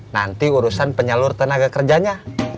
nanti urusan penyalur tenaga kerjanya